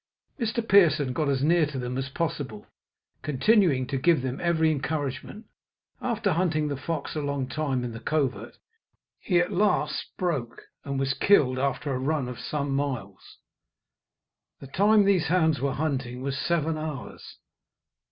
Mr. Pearson got as near to them as possible, continuing to give them every encouragement. After hunting the fox a long time in the covert he at last broke, and was killed after a run of some miles. The time these hounds were hunting was seven hours.